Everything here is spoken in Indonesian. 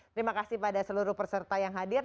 terima kasih pada seluruh peserta yang hadir